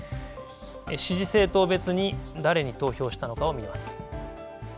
支持政党別に、誰に投票したのかを見ます。